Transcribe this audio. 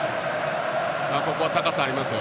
ここは高さありますよ。